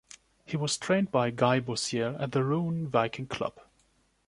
He was trained by Guy Boissière at the Rouen Viking Club.